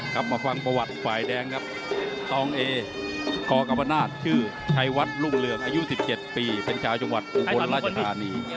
ครับมาฟังประวัติฝ่ายแดงครับตองเอกกรรมนาศชื่อชัยวัดรุ่งเรืองอายุ๑๗ปีเป็นชาวจังหวัดอุบลราชธานี